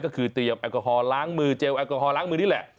ก็คือเตรียมแอลกอฮอลล้างมือเจลแอลกอฮอลล้างมือนี่แหละ